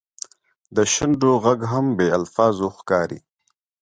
د شونډو ږغ هم بې الفاظو ښکاري.